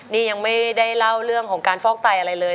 นี่ยังไม่ได้เล่าเรื่องของการฟอกไตอะไรเลย